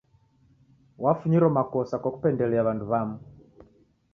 Wafunyiro makosa kwa kupendelia w'andu w'amu.